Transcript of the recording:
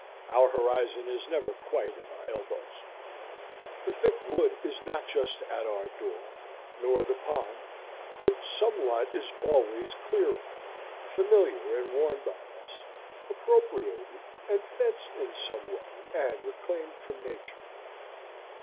Our horizon is never quite at our elbows. The thick wood is not just at our door, nor the pond, but somewhat is always clearing, familiar and worn by us, appropriated and fenced in some way, and reclaimed from Nature.